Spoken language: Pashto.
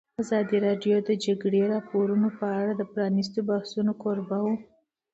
ازادي راډیو د د جګړې راپورونه په اړه د پرانیستو بحثونو کوربه وه.